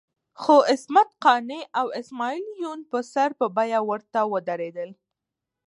خو عصمت قانع او اسماعیل یون په سر په بیه ورته ودرېدل.